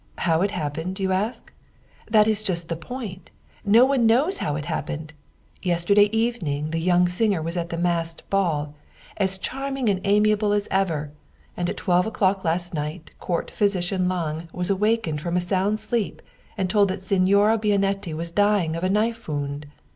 How it happened, you ask? That is just the point no one knows how it happened. Yesterday evening the young singer was at the masked ball, as charming and amiable as ever, and at twelve o'clock last night Court Physician Lange was awakened from a sound sleep and told that Signora Bianetti was dying of a knife wound.